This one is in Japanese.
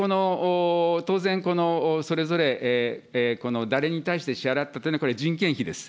当然、それぞれ、誰に対して支払ったというのは、人件費です。